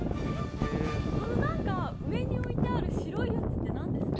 なんか、上に置いてある白いやつって、なんですか。